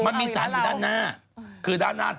มันมีสานที่ด้านหน้า